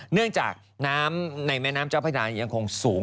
เนื่องจากน้ำในแม่น้ำเจ้าพระยายังคงสูง